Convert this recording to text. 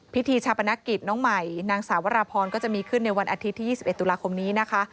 พิธีชาปนกิจน้องใหม่นางสาววรพรก็จะมีขึ้นในวันอาทิตย์ที่๒๑ตุลาคมนี้นะคะ